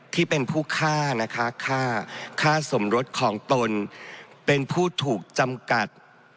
ที่เป็นผู้ฆ่านะคะฆ่าสมรสของตนเป็นผู้ถูกจำกัด